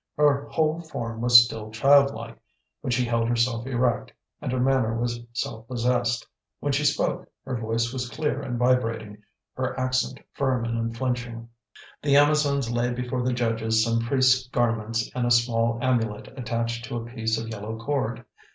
Her whole form was still childlike, but she held herself erect, and her manner was self possessed. When she spoke, her voice was clear and vibrating, her accent firm and unflinching. The Amazons laid before the judges some priests' garments and a small amulet attached to a piece of yellow cord.